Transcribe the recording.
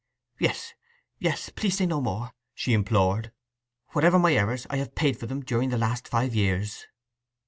'Yes, yes! Please say no more,' she implored. 'Whatever my errors, I have paid for them during the last five years!